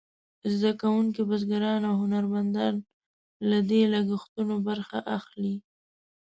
زده کوونکي، بزګران او هنرمندان له دې لګښتونو برخه اخلي.